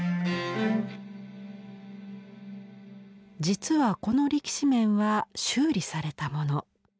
実はこの力士面は修理されたもの。